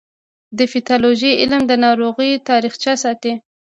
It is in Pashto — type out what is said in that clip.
د پیتالوژي علم د ناروغیو تاریخچه ساتي.